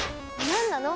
何なの？